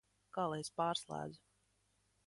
Kā lai es pārslēdzu?